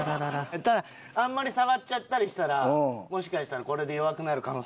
ただあんまり触っちゃったりしたらもしかしたらこれで弱くなる可能性があるから。